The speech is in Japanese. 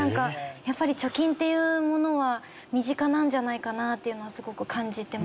やっぱり貯金っていうものは身近なんじゃないかなというのはすごく感じてます。